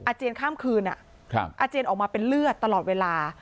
เจียนข้ามคืนอาเจียนออกมาเป็นเลือดตลอดเวลา